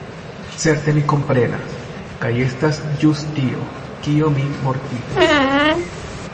Certe mi komprenas: kaj estas ĵus tio, kio min mortigas.